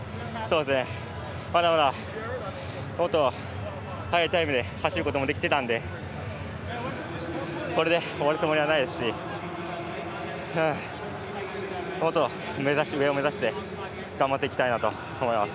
まだまだ、もっと速いタイムで走ることもできてたのでこれで終わるつもりはないですしもっと上を目指して頑張っていきたいなと思います。